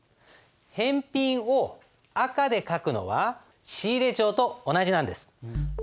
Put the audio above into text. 返品を赤で書くのは仕入帳と同じなんです。